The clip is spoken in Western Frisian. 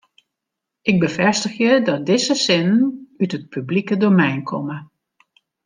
Ik befêstigje dat dizze sinnen út it publike domein komme.